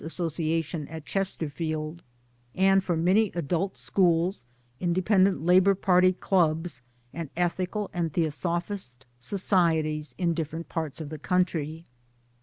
Association at Chesterfield ; and for many Adult Schools, I.L'.P. Clubs and Ethical and Theosophist societies in different parts of the country.